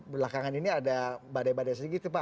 belakangan ini ada badai badai sedikit pak